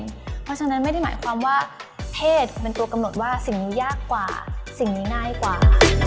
เพราะฉะนั้นไม่ได้หมายความว่าเทศเป็นตัวกำหนดว่าสิ่งนี้ยากกว่าสิ่งนี้ง่ายกว่า